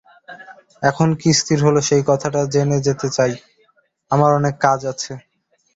এখন কী স্থির হল সেই কথাটা জেনে যেতে চাই– আমার অনেক কাজ আছে।